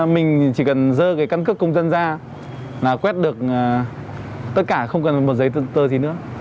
mình chỉ cần dơ cái căn cước công dân ra là quét được tất cả không cần một giấy tờ gì nữa